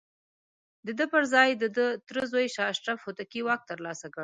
د ده پر ځاى د ده تره زوی شاه اشرف هوتکي واک ترلاسه کړ.